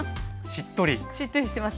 しっとりしてます？